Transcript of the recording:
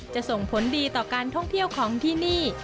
จะส่งผลดีต่อการท่องเที่ยวของที่นี่